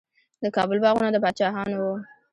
د کابل باغونه د پاچاهانو وو.